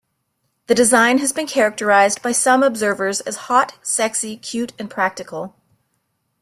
The design has been characterized by some observers as hot, sexy, cute and practical.